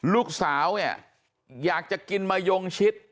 ลูกสาวเนี่ยอยากจะกินมะยงชิด